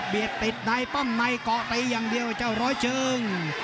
เบียดติดในป้อมในก็เตะอย่างเดียวเจ้าร้อยเชิง